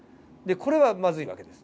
これはまずい訳です。